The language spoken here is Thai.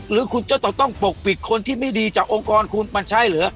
หรือคุณจะต้องปกปิดคนที่ไม่ดีจากองค์กรคุณมันใช่เหรอ